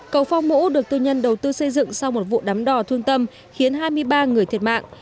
cầu phao mũ được tư nhân đầu tư xây dựng sau một vụ đám đò thương tâm khiến hai mươi ba người thiệt mạng